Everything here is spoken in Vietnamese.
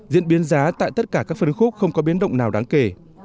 diễn biến giá tại tất cả các phân khúc không có biến động nào đáng kể